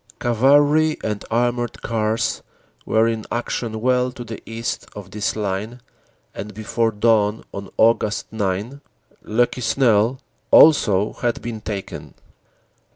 Cavalry and armored cars were in action well to the east of this line and before dawn on Aug. 9 Le Quesnel also had been taken.